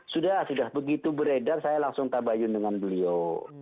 sudah sudah begitu beredar saya langsung tambah yunik